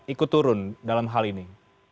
ikut turun dalam hal ini